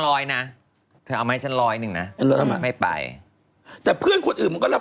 หนูถามว่าถ้าเป็นคุณแม่คุณแม่จะไปหรือเปล่า